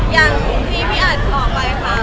อย่างที่พี่อัดบอกไปค่ะ